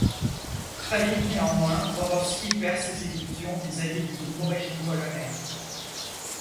Très vite néanmoins, Borowski perd ses illusions vis-à-vis du nouveau régime polonais.